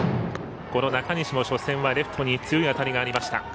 この中西も初戦はライトに強い当たりがありました。